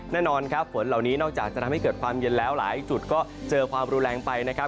แน่นอนครับฝนเหล่านี้นอกจากจะทำให้เกิดความเย็นแล้วหลายจุดก็เจอความรุนแรงไปนะครับ